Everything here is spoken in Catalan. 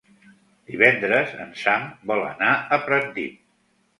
Divendres en Sam vol anar a Pratdip.